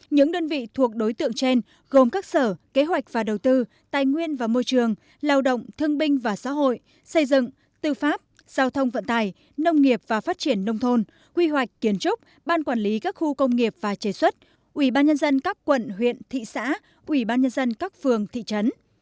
những đơn vị thuộc đối tượng trên gồm các sở kế hoạch và đầu tư tài nguyên và môi trường lao động thương binh và xã hội xây dựng tư pháp giao thông vận tài nông nghiệp và phát triển nông thôn quy hoạch kiến trúc ban quản lý các khu công nghiệp và chế xuất ubnd các quận huyện thị xã ubnd các phường thị trấn